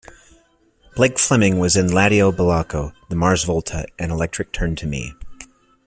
Blake Fleming was in Laddio Bolocko, The Mars Volta and Electric Turn to Me.